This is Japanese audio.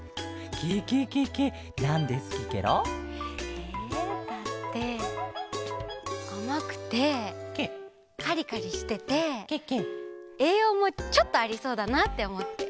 ケケケケなんですきケロ？えだってあまくてカリカリしててえいようもちょっとありそうだなっておもって。